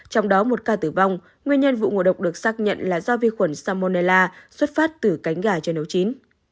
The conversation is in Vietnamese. trong đó một ca tử vong nguyên nhân vụ ngộ độc được xác nhận là do vi khuẩn salmonella xuất phát từ cánh gà cho nấu chín